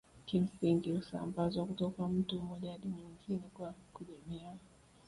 kimsingi husambazwa kutoka mtu mmoja hadi mwingine kwa kujamiiana